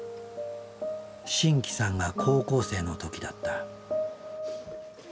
真気さんが高校生の時だった。